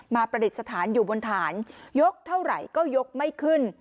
ประดิษฐานอยู่บนฐานยกเท่าไหร่ก็ยกไม่ขึ้น